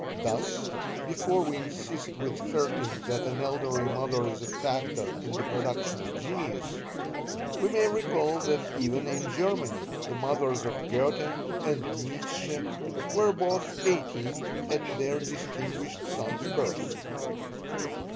Thus, before we insist with Vaerting that an elderly mother is a factor in the production of genius, we may recall that even in Germany the mothers of Goethe and Nietzsche were both eighteen at their distinguished son's birth.